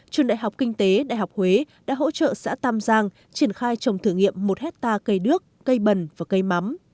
trường đại học kinh tế đại học huế đã hỗ trợ xã tam giang triển khai trồng thử nghiệm một hectare cây đước cây bần và cây mắm